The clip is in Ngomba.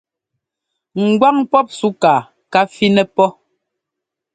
Ŋgwáŋ pɔp súkaa ká fínɛ́ pɔ́.